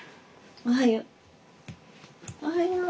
おはよう。